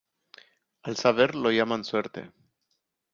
Al saber lo llaman suerte.